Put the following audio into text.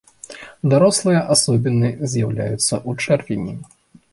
Дарослыя асобіны з'яўляюцца ў чэрвені.